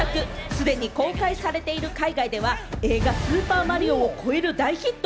既に公開されている海外では、映画『スーパーマリオ』を超える大ヒット。